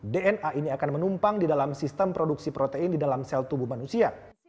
dna ini akan menumpang di dalam sistem produksi protein di dalam sel tubuh manusia